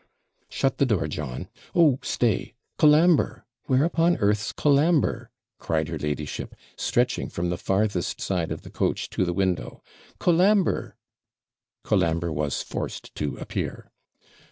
Shut the door, John! Oh, stay! Colambre! Where upon earth's Colambre?' cried her ladyship, stretching from the farthest side of the coach to the window. 'Colambre!' Colambre was forced to appear.